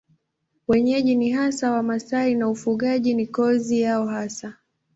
Wenyeji ni hasa Wamasai na ufugaji ni kazi yao hasa.